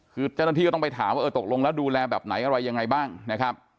คือเจ้าหน้าที่ก็ต้องไปถามว่าเออตกลงแล้วดูแลแบบไหนอะไรยังไงบ้างนะครับ